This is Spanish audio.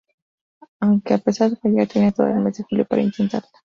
Aunque, a pesar de fallar, tiene todo el mes de julio para intentarlo.